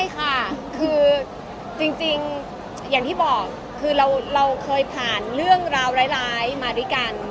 ใช่ค่ะคือจริงอย่างที่บอกคือเราเคยผ่านเรื่องราวร้ายมาด้วยกัน